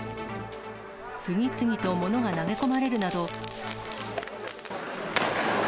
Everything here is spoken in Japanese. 次々とものが投げ込まれるなど。